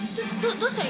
どうしたらいい？